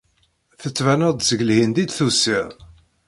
Tettbaneḍ-d seg Lhend i d-tusiḍ.